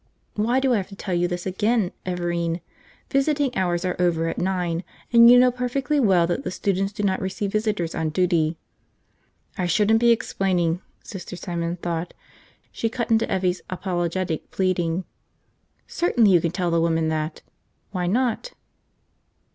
"Why do I have to tell you this again, Everine? Visiting hours are over at nine. And you know perfectly well that the students do not receive visitors on duty." I shouldn't be explaining, Sister Simon thought. She cut into Evvie's apologetic pleading. "Certainly you can tell the woman that! Why not?"